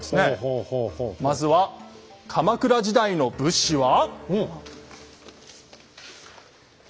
まずは鎌倉時代の武士は。